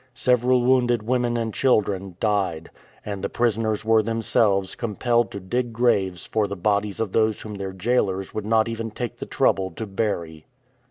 Several wounded women and children died, and the prisoners were themselves compelled to dig graves for the bodies of those whom their jailers would not even take the trouble to bury.